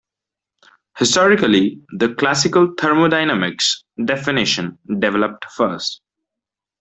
Historically, the classical thermodynamics definition developed first.